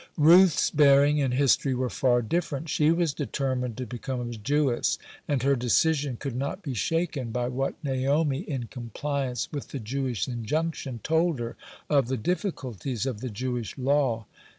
(44) Ruth's bearing and history were far different. She was determined to become a Jewess, and her decision could not be shaken by what Naomi, in compliance with the Jewish injunction, told her of the difficulties of the Jewish law.